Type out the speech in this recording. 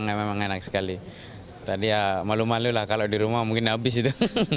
nggak memang enak sekali tadi ya malu malu lah kalau di rumah mungkin habis itu